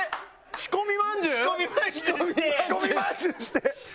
仕込みまんじゅうして。